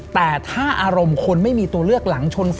แต่ถ้าอารมณ์คนไม่มีตัวเลือกหลังชน๒